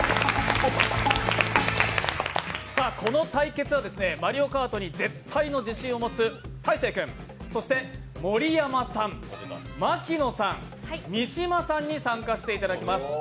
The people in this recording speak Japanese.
この対決は「マリオカート」に絶対の自信を持つ大晴君、そして盛山さん、牧野さん、三島さんに参加していただきます。